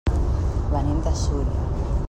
Venim de Súria.